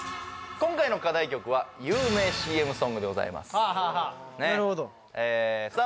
今回の課題曲は有名ＣＭソングでございますさあ